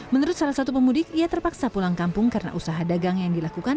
menurut salah satu pemudik ia terpaksa pulang kampung karena usaha dagang yang dilakukan